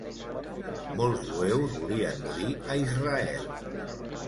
Molts jueus volien morir a Israel.